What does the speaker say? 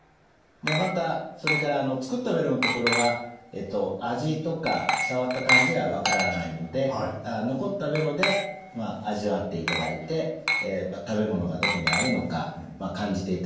またそれから作ったベロの所は味とか触った感じは分からないので残ったベロで味わっていただいて食べ物がどこにあるのか感じていただくことになります。